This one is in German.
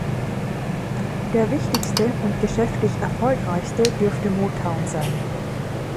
Der wichtigste und geschäftlich erfolgreichste dürfte Motown sein.